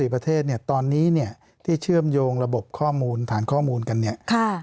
ประเทศเนี่ยตอนนี้เนี่ยที่เชื่อมโยงระบบข้อมูลฐานข้อมูลกันเนี่ย